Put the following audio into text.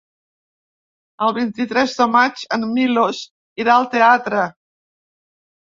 El vint-i-tres de maig en Milos irà al teatre.